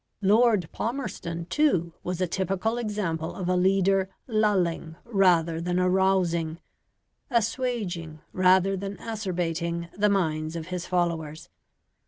Lord Palmerston, too, was a typical example of a leader lulling, rather than arousing, assuaging rather than acerbating the minds of his followers.